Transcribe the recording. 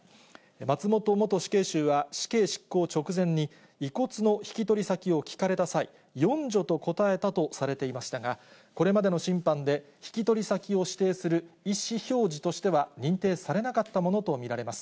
松本元死刑囚は死刑執行直前に、遺骨の引き取り先を聞かれた際、四女と答えたとされていましたが、これまでの審判で、引き取り先を指定する意思表示としては認定されなかったものと見られます。